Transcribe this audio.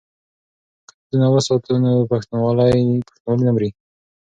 که دودونه وساتو نو پښتونوالي نه مري.